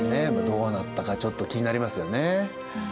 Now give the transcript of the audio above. どうなったかちょっと気になりますよね。